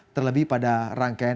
terlebih pada rangkaian